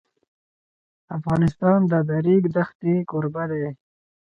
افغانستان د د ریګ دښتې کوربه دی.